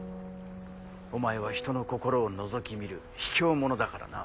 お前は人の心をのぞき見るひきょう者だからな。